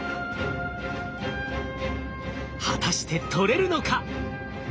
果たして採れるのか？